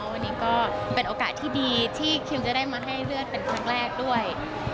วันนี้ก็เป็นโอกาสที่ดีที่คิวจะได้มาให้เลือดเป็นครั้งแรกด้วย